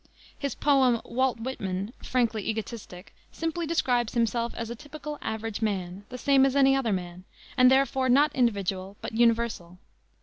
His poem Walt Whitman, frankly egotistic, simply describes himself as a typical, average man the same as any other man, and therefore not individual but universal.